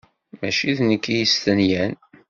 Mačči d nekk i yestenyan.